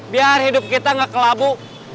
biar hidup kita gak kelabu